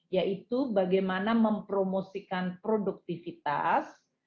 yaitu bagaimana mempromosikan produktivitas